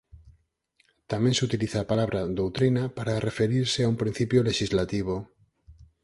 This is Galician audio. Tamén se utiliza a palabra "doutrina" para referirse a un principio lexislativo.